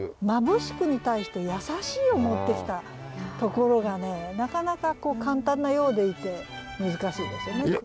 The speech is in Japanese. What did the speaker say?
「まぶしく」に対して「やさしい」を持ってきたところがねなかなか簡単なようでいて難しいですよね。